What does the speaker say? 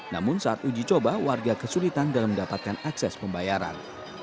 namun saat uji coba warga kesulitan dalam mendapatkan akses pembayaran